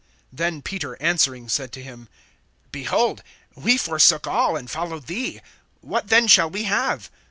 (27)Then Peter answering said to him: Behold, we forsook all, and followed thee; what then shall we have?